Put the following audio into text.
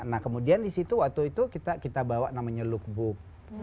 nah kemudian di situ waktu itu kita bawa namanya lookbook